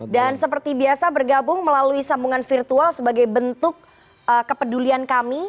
dan seperti biasa bergabung melalui sambungan virtual sebagai bentuk kepedulian kami